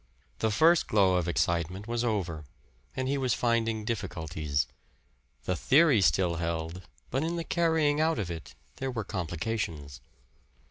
The first glow of excitement was over, and he was finding difficulties. The theory still held; but in the carrying out of it there were complications.